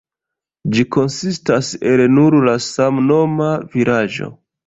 Ĝi konsistas el nur la samnoma vilaĝo.